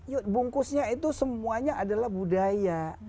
yuk bungkusnya itu semuanya adalah budaya